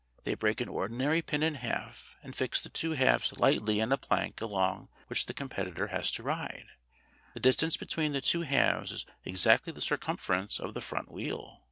They break an ordinary pin in half and fix the two halves lightly in a plank along which the competitor has to ride. The distance between the two halves is exactly the circumference of the front wheel.